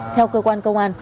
theo cơ quan công an